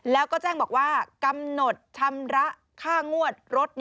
แล้วก็แจ้งบอกว่ากำหนดชำระค่างวดรถ